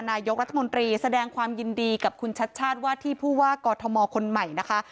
นายกรัฐมนตรีแสดงความยินดีกับคุณชัดชาติว่าที่ผู้ว่ากอทมคนใหม่นะคะ